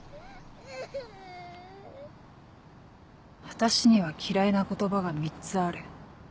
私には嫌いな言葉が３つある。